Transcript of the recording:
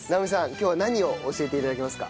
今日は何を教えて頂けますか？